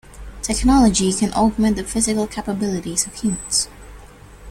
Technology can augment the physical capabilities of humans.